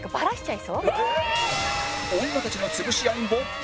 女たちの潰し合い勃発！